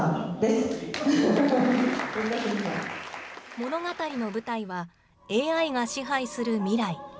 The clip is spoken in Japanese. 物語の舞台は、ＡＩが支配する未来。